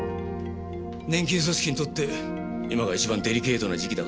年金組織にとって今が一番デリケートな時期だからな。